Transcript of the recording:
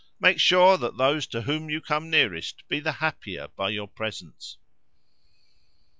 Make sure that those to whom you come nearest be the happier by your presence!